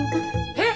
えっ！